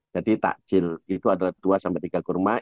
jadi takjil itu adalah dua tiga kurma